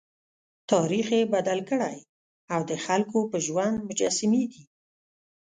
تاریخ یې بدل کړی او د خلکو په ژوند مجسمې دي.